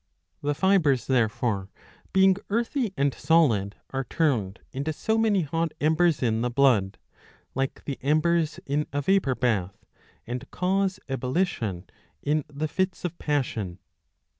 The fibres therefore, being earthy and solid,^ are turned into so many hot embers in the blood, like the embers in a vapor bath, and cause ebullition in the fits of passion.'''